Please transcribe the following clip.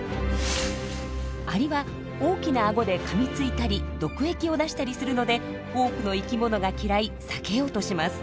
アリは大きなアゴでかみついたり毒液を出したりするので多くの生き物が嫌い避けようとします。